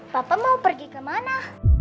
papa mau pergi kemana